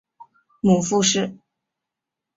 母傅氏。